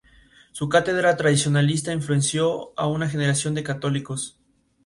Su cátedra tradicionalista influenció a una generación de católicos.